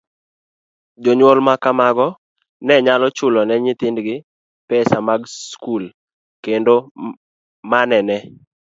Jonyuol ma kamago ne nyalo chulo ne nyithindgi pesa mag skul, kendo mano ne